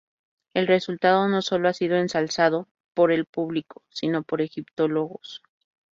El resultado no sólo ha sido ensalzado por el público, sino por egiptólogos.